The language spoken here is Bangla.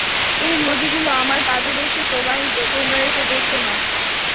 এ নদীগুলো আমার পাদদেশে প্রবাহিত, তোমরা এটা দেখ না?